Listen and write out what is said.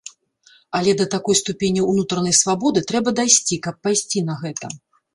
Але да такой ступені ўнутранай свабоды трэба дайсці, каб пайсці на гэта!